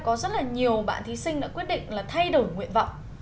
có rất là nhiều bạn thí sinh đã quyết định là thay đổi nguyện vọng